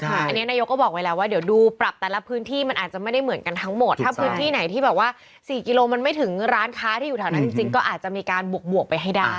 อันนี้นายกก็บอกไว้แล้วว่าเดี๋ยวดูปรับแต่ละพื้นที่มันอาจจะไม่ได้เหมือนกันทั้งหมดถ้าพื้นที่ไหนที่แบบว่า๔กิโลมันไม่ถึงร้านค้าที่อยู่แถวนั้นจริงก็อาจจะมีการบวกไปให้ได้